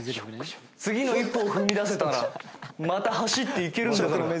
次の一歩を踏み出せたらまた走っていけるんだから。